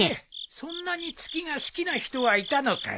そんなに月が好きな人がいたのかい？